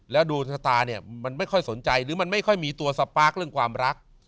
ดวงชะตาเนี่ยมันไม่ค่อยสนใจหรือมันไม่ค่อยมีตัวสปาร์คเรื่องความรัก